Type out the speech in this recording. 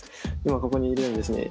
今ここにいるんですね。